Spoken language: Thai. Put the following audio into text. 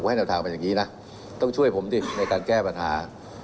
ผมก็ให้นักทางเขามาอย่างนี้นะต้องช่วยผมในการแก้ปัญหา